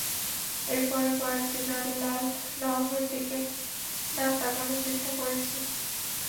এরপরে কয়েকদিন, আমি লাল নবাবের দিকে না তাকানোর চেষ্টা করেছি।